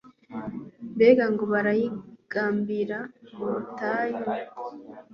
Mbega ngo barayigarambira mu butayu